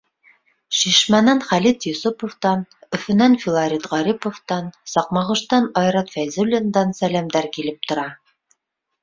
Шишмәнән Хәлит Йосоповтан, Өфөнән Филарит Ғариповтан, Саҡмағоштан Айрат Фәйзуллиндан сәләмдәр килеп тора.